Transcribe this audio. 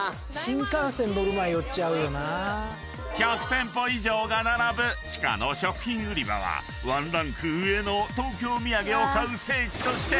［１００店舗以上が並ぶ地下の食品売り場はワンランク上の東京土産を買う聖地として］